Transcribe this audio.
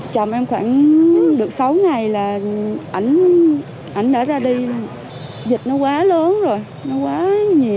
chồng em khoảng được sáu ngày là ảnh đã ra đi dịch nó quá lớn rồi nó quá nhiều